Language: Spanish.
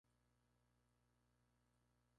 Entonces ambos acuden a un simposio.